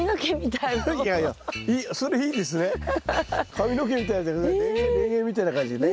髪の毛みたいでレゲエみたいな感じでね。